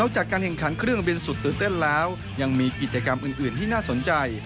จากการแข่งขันเครื่องบินสุดตื่นเต้นแล้วยังมีกิจกรรมอื่นที่น่าสนใจ